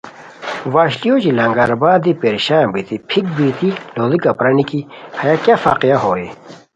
وشلی اوچے لنگر آباد دی پریشان بیتی پھیک بیتی لوڑیکہ پرانی کی ہیہ کیہ فاقیہ ہوئے